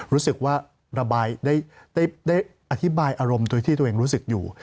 รู้สึกว่าระบายได้อธิบายอารมณ์โดยที่ตัวเองรู้สึกอยู่